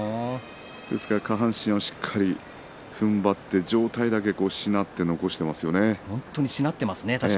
ですから、下半身しっかりふんばって上体だけしなって本当に、しなっていますね。